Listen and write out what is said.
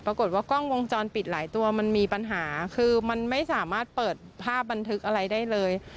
ปรากฏว่ากล้องวงจรปิดหลายตัวมันมีปัญหาคือมันไม่สามารถเปิดภาพบันทึกอะไรได้เลย